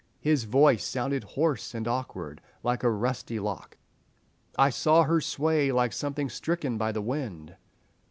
"His voice sounded hoarse and awkward, like a rusty lock." "I saw her sway, like something stricken by the wind."